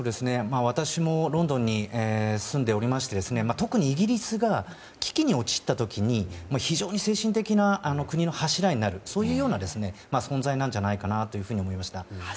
私もロンドンに住んでおりまして特にイギリスが危機に陥った時に非常に精神的な国の柱になるそういうような存在なんじゃないかと思いました。